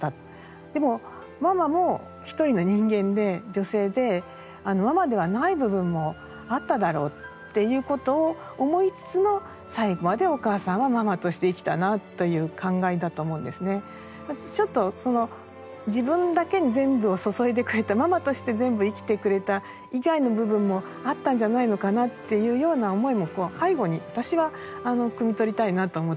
でもママも一人の人間で女性でママではない部分もあっただろうっていうことを思いつつのちょっとその自分だけに全部を注いでくれたママとして全部生きてくれた以外の部分もあったんじゃないのかなっていうような思いもこの背後に私はくみ取りたいなと思ったんですよね。